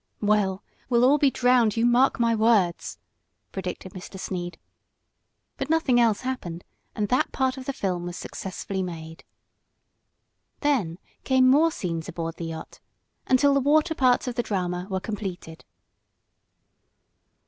"Well, we'll all be drowned, you mark my words!" predicted Mr. Sneed. But nothing else happened and that part of the film was successfully made. Then came more scenes aboard the yacht, until the water parts of the drama were completed.